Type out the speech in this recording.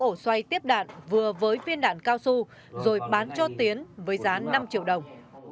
ổ xoay tiếp đạn vừa với viên đạn cao su rồi bán cho tiến với giá năm triệu đồng